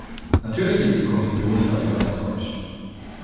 Natürlich ist die Kommission darüber enttäuscht.